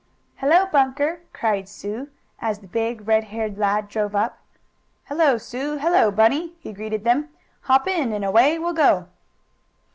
"Hello, Bunker!" cried Sue, as the big, red haired lad drove up. "Hello, Sue! Hello, Bunny!" he greeted them. "Hop in and away we'll go!"